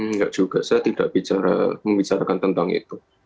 nggak juga saya tidak membicarakan tentang itu